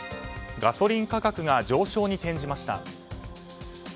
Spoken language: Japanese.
ガソリン価格が上昇に転じました。